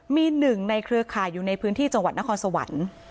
มีหนึ่งในเครือข่ายอยู่ในพื้นที่จังหวัดนครสวรรค์